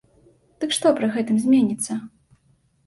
Дык што пры гэтым зменіцца?